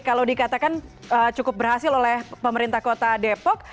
kalau dikatakan cukup berhasil oleh pemerintah kota depok